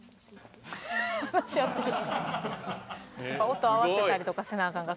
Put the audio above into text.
音合わせたりとかせなアカンから。